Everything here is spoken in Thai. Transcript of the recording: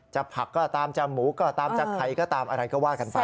ผักก็ตามจะหมูก็ตามจะใครก็ตามอะไรก็ว่ากันไป